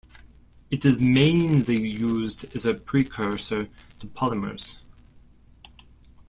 It is mainly used as a precursor to polymers.